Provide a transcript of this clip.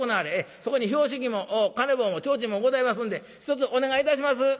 そこに拍子木も金棒も提灯もございますんでひとつお願いいたします」。